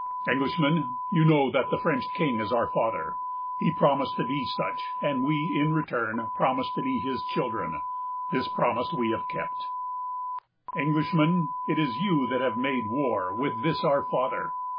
"'Englishman, you know that the French King is our father. He promised to be such; and we, in return, promised to be his children. This promise we have kept. "'Englishman, it is you that have made war with this our father.